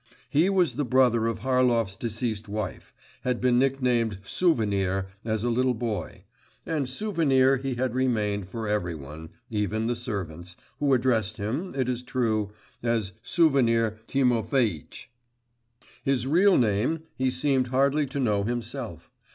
He was the brother of Harlov's deceased wife, had been nicknamed Souvenir as a little boy, and Souvenir he had remained for every one, even the servants, who addressed him, it is true, as Souvenir Timofeitch. His real name he seemed hardly to know himself.